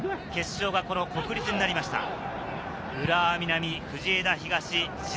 決勝がこの国立になりました。